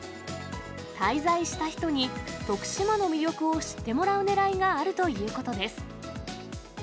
滞在した人に、徳島の魅力を知ってもらうねらいがあるということです。